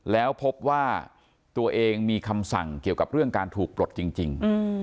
แล้วพบว่าตัวเองมีคำสั่งเกี่ยวกับเรื่องการถูกปลดจริง